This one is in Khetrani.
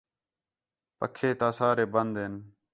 پکّھے تا سارے بند ہین